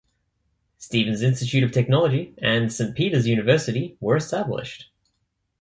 Stevens Institute of Technology and Saint Peter's University were established.